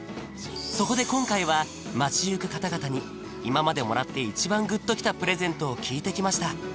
そこで今回は街ゆく方々に今までもらって一番グッときたプレゼントを聞いてきました